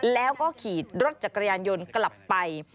แล้วก็ขี่รถจักรยานยนต์กลับไป